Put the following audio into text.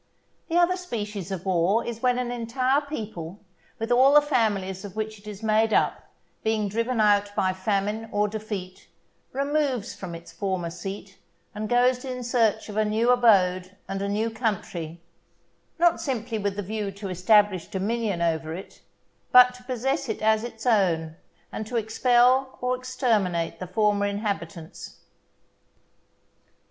The other species of war is when an entire people, with all the families of which it is made up, being driven out by famine or defeat, removes from its former seat, and goes in search of a new abode and a new country, not simply with the view to establish dominion over it, but to possess it as its own, and to expel or exterminate the former inhabitants.